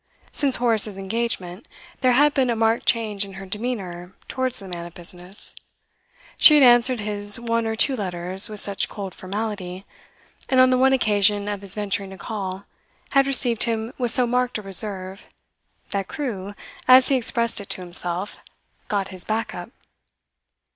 Since Horace's engagement, there had been a marked change in her demeanour towards the man of business; she had answered his one or two letters with such cold formality, and, on the one occasion of his venturing to call, had received him with so marked a reserve, that Crewe, as he expressed it to himself, 'got his back up.